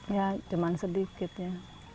ya cuman sedikit ya